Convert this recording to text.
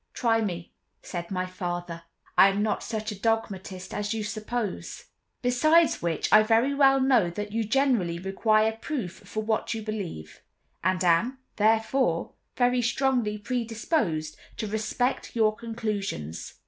"Try me," said my father; "I am not such a dogmatist as you suppose. Besides which, I very well know that you generally require proof for what you believe, and am, therefore, very strongly predisposed to respect your conclusions."